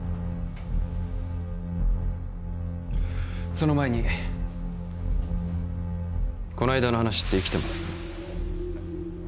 その前にこの間の話って生きてます？